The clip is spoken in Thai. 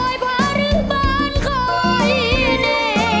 หรือบ้านคอยเน่